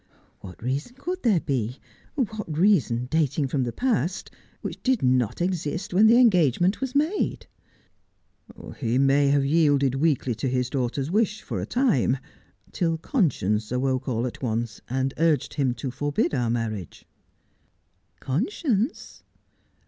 ' What reason could there be — what reason dating from the past — which did not exist when the engagement was made 1 '' He may have yielded weakly to his daughter's wish for a time, till conscience awoke all at once and urged him to forbid our marriage.' ' Conscience